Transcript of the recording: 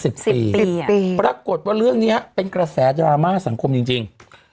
ปรากฏว่าเรื่องเนี้ยเป็นกระแสดราม่าสังคมจริงจริง